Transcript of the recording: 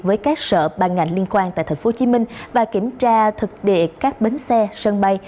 với các sở ban ngành liên quan tại tp hcm và kiểm tra thực địa các bến xe sân bay